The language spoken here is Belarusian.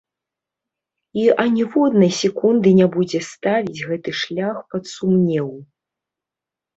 І аніводнай секунды не будзе ставіць гэты шлях пад сумнеў.